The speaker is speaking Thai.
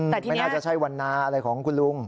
ไม่น่าจะใช่วันนาอะไรของคุณลุง